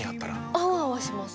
アワアワします